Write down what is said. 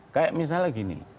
kayak misalnya gini